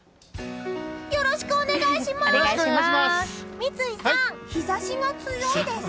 よろしくお願いします！